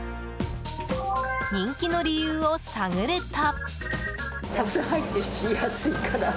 人気の理由を探ると。